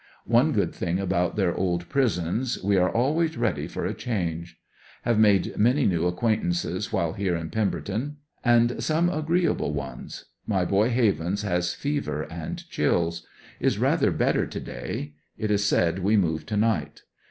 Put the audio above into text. One good thing about their old pris ons, we are always ready for a change. Have made many new acquaintances while here in Pemberton, and some agreeable ones; niy boy Havens has fever and chills. Is rather better to day. It is said we move to night.